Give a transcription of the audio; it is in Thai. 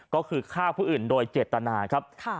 ก็คือฆ่าผู้อื่นโดยเจตนาครับ